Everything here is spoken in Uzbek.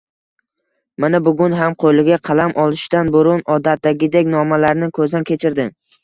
Mana, bugun ham qo`liga qalam olishdan burun, odatdagidek, nomalarni ko`zdan kechirdi